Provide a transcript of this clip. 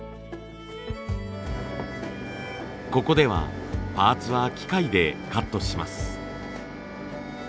ここではパーツは機械でカットします。